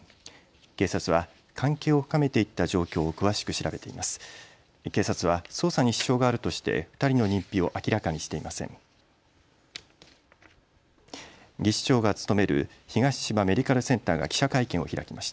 警察は関係を深めていった状況を詳しく調べています。